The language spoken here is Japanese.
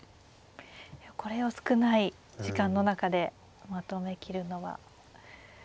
これを少ない時間の中でまとめきるのは。